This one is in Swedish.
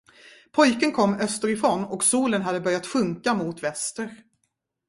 Pojken kom österifrån, och solen hade börjat sjunka mot väster.